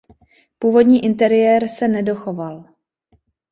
Původní interiér se nedochoval.